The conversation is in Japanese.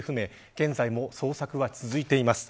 現在も捜索は続いています。